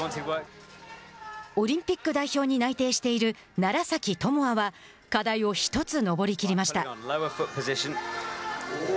オリンピック代表に内定している楢崎智亜は課題を１つ登り切りました。